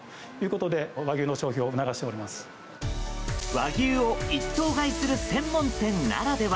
和牛を一頭買いする専門店ならでは。